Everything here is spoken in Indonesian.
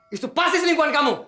itu pasti selingkuhan kamu